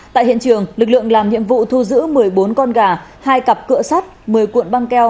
tại hiện trường lực lượng làm nhiệm vụ thu giữ một mươi bốn con gà hai cặp cựa sắt một mươi cuộn băng keo